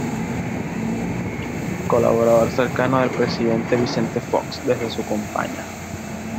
Colaborador cercano del Presidente Vicente Fox desde su campaña.